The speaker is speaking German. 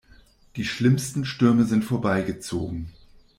Die schlimmsten Stürme sind vorbeigezogen.